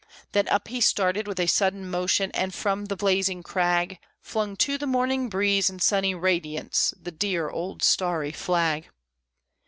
Then up he started, with a sudden motion, and from the blazing crag Flung to the morning breeze and sunny radiance the dear old starry flag!